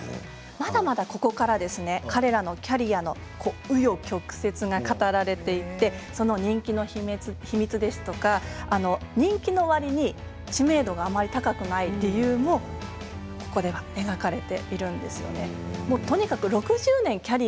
まだまだここから彼らのキャリアのう余曲折が語られていてその人気の秘密ですとか人気のわりに知名度があまり高くない理由が描かれています。